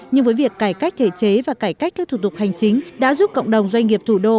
nhưng với việc cải cách thể chế và cải cách các thủ tục hành chính đã giúp cộng đồng doanh nghiệp thủ đô